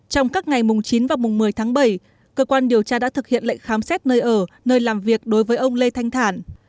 trong các ngày mùng chín và mùng một mươi tháng bảy cơ quan điều tra đã thực hiện lệnh khám xét nơi ở nơi làm việc đối với ông lê thanh thản